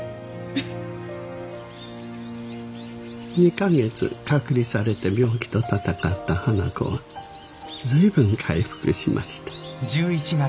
２か月隔離されて病気と闘った花子は随分回復しました。